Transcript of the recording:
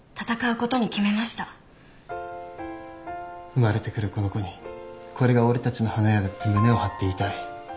生まれてくるこの子にこれが俺たちの花屋だって胸を張って言いたい。